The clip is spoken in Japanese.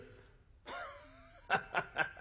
「ハハハハ！